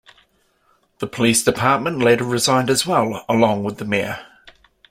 The police department later resigned as well along with the mayor.